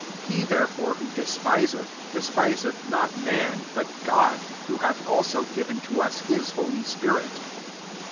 8 He therefore who despiseth, despiseth not man, but God ; who hath also giver to us his holy spirit.